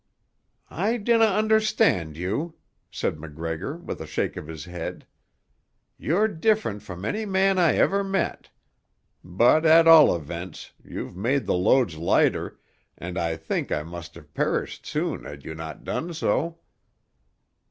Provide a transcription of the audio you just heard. "I dinna understand you," said MacGregor with a shake of his head. "You're different from any man I ever met. But at all events, you've made the loads lighter, and I think I must have perished soon had you not done so."